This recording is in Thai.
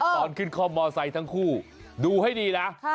ตอนขึ้นคล่อมมอไซค์ทั้งคู่ดูให้ดีนะ